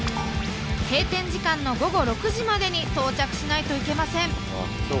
閉店時間の午後６時までに到着しないといけません。